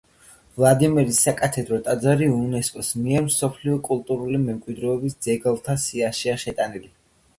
ვლადიმირის საკათედრო ტაძარი იუნესკოს მიერ მსოფლიო კულტურული მემკვიდრეობის ძეგლთა სიაშია შეტანილი.